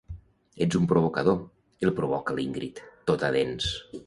Ets un provocador —el provoca l'Ingrid, tota dents.